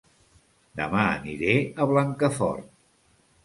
Dema aniré a Blancafort